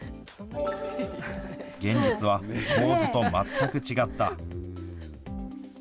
現実は公図と全く違った。